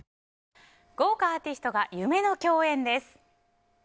豪華アーティストが夢の共演です。